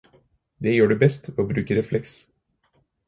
Det gjør du best ved å bruke refleks.